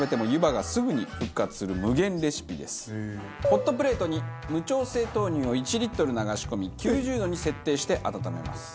ホットプレートに無調整豆乳を１リットル流し込み９０度に設定して温めます。